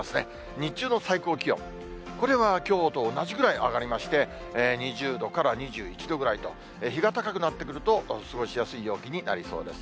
日中の最高気温、これはきょうと同じぐらい上がりまして、２０度から２１度ぐらいと、日が高くなってくると、過ごしやすい陽気になりそうです。